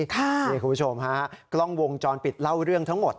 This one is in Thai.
คุณผู้ชมฮะกล้องวงจรปิดเล่าเรื่องทั้งหมด